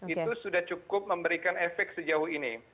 itu sudah cukup memberikan efek sejauh ini